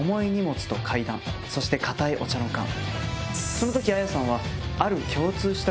その時綾さんは。